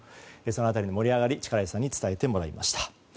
その辺りの盛り上がりを力石さんに伝えてもらいました。